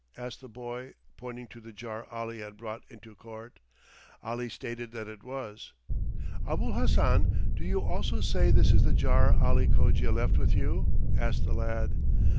asked the boy, pointing to the jar Ali had brought into court. Ali stated that it was. "Abul Hassan, do you also say this is the jar Ali Cogia left with you?" asked the lad.